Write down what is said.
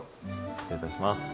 失礼いたします。